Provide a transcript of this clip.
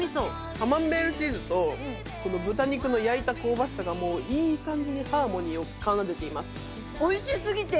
カマンベールチーズと豚肉の焼いた香ばしさがいい感じにハーモニーを奏でています。